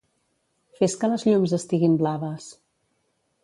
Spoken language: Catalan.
Fes que les llums estiguin blaves.